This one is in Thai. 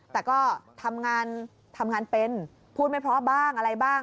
แต่ก็ทำงานเป็นพูดไม่พร้อมบ้างอะไรบ้าง